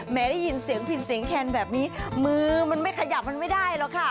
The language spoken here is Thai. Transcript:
ได้ยินเสียงพินเสียงแคนแบบนี้มือมันไม่ขยับมันไม่ได้หรอกค่ะ